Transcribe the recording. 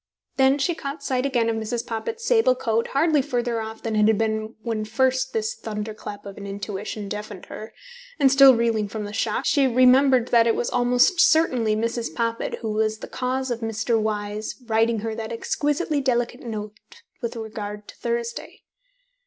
Then she caught sight again of Mrs. Poppit's sable coat hardly farther off than it had been when first this thunderclap of an intuition deafened her, and still reeling from the shock, she remembered that it was almost certainly Mrs. Poppit who was the cause of Mr. Wyse writing her that exquisitely delicate note with regard to Thursday.